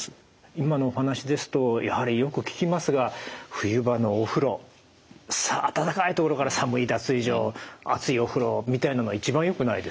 今のお話ですとやはりよく聞きますが冬場のお風呂暖かい所から寒い脱衣所熱いお風呂みたいなのが一番よくないですね。